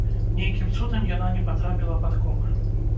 Нейкім цудам яна не патрапіла пад колы.